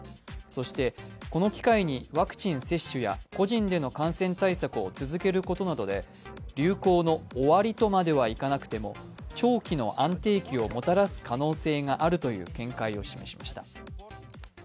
そして、この機会にワクチン接種や個人での感染対策を続けることなどで流行の終わりとまではいかなくても、長期の安定期をもたらす可能性があるという見解を示しました。